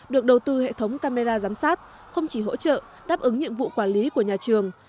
được đầu tư hệ thống camera giám sát không chỉ hỗ trợ đáp ứng nhiệm vụ quản lý của nhà trường